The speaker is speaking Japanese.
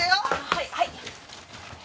はいはい。